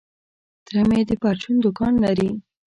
تره مي د پرچون دوکان لري .